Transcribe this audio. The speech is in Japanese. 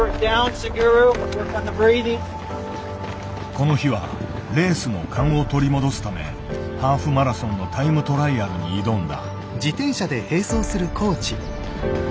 この日はレースの勘を取り戻すためハーフマラソンのタイムトライアルに挑んだ。